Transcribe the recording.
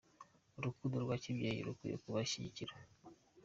Urukundo rwa kibyeyi rukwiye kubashyigikira.